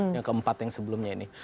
yang keempat yang sebelumnya ini